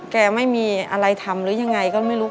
แกไม่มีอะไรทำหรือยังไงก็ไม่รู้